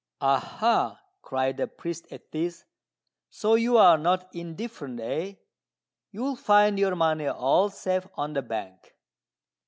"Aha!" cried the priest at this; "so you are not indifferent, eh? You'll find your money all safe on the bank."